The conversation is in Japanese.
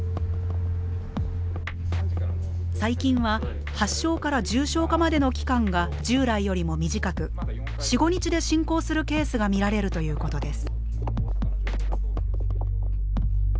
最近は発症から重症化までの期間が従来よりも短く４５日で進行するケースが見られるということです。